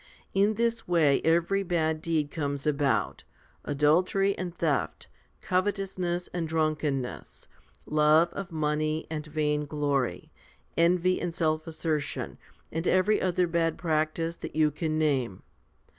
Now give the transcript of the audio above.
In this way every bad deed comes about, adultery and theft, covetous ness and drunkenness, love of money and vain glory, envy and self assertion, and every other bad practice that you can name.